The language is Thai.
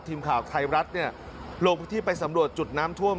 ทีมข่าวไทยรัฐลงพื้นที่ไปสำรวจจุดน้ำท่วม